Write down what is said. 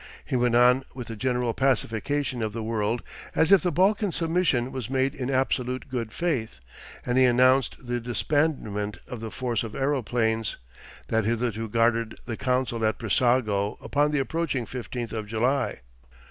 He went on with the general pacification of the world as if the Balkan submission was made in absolute good faith, and he announced the disbandment of the force of aeroplanes that hitherto guarded the council at Brissago upon the approaching fifteenth of July.